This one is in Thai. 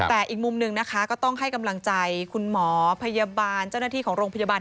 แต่อีกมุมหนึ่งนะคะก็ต้องให้กำลังใจคุณหมอพยาบาลเจ้าหน้าที่ของโรงพยาบาล